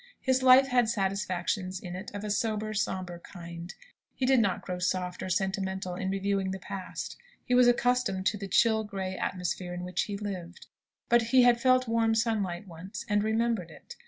His life had satisfactions in it of a sober, sombre kind. He did not grow soft or sentimental in reviewing the past. He was accustomed to the chill, grey atmosphere in which he lived. But he had felt warm sunlight once, and remembered it.